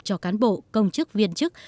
cho cán bộ công chức viên chức